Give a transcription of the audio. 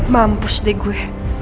mampus deh gue